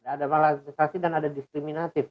ada maladministrasi dan ada diskriminatif